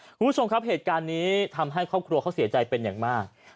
คุณผู้ชมครับเหตุการณ์นี้ทำให้ครอบครัวเขาเสียใจเป็นอย่างมาก